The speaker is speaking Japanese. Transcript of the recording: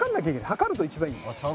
量ると一番いい。